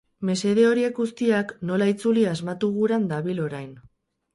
Mesede horiek guztiak nola itzuli asmatu guran dabil orain.